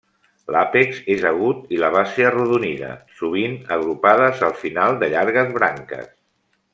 L'àpex és agut i la base arrodonida, sovint agrupades al final de llargues branques.